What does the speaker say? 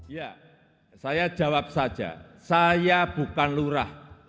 ya saya jawab saja saya bukan lurah